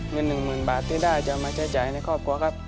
เงิน๑๐๐๐บาทที่ได้จะมาใช้จ่ายในครอบครัวครับ